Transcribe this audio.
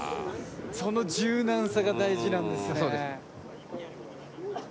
その柔軟さが大事なんですね。